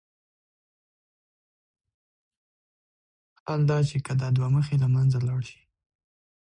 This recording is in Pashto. حال دا چې که دا دوه مخي له منځه لاړ شي.